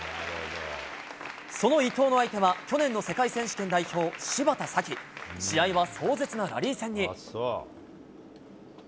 その伊藤の相手は、去年の世界選手権代表、芝田沙季。試合は壮絶なラリー戦に。